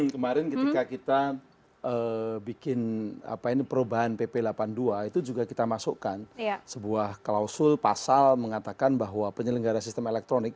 kemarin ketika kita bikin perubahan pp delapan puluh dua itu juga kita masukkan sebuah klausul pasal mengatakan bahwa penyelenggara sistem elektronik